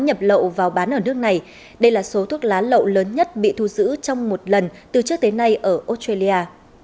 nhập lậu vào bán ở nước này đây là số thuốc lá lậu lớn nhất bị thu giữ trong một lần từ trước tới nay ở australia